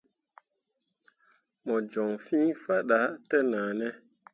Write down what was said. Mo joŋ fĩĩ faɗa tenahne.